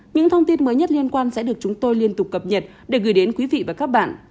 những thông tin mới nhất liên quan sẽ được chúng tôi liên tục cập nhật để gửi đến quý vị và các bạn